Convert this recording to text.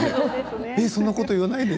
そんなこと言わないで！